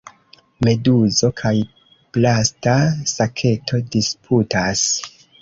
Meduzo kaj plasta saketo disputas.